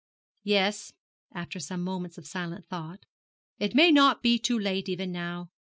Yes,' after some moments of silent thought, 'it may not be too late even now.